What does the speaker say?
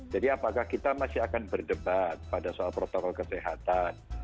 jadi apakah kita masih akan berdebat pada soal protokol kesehatan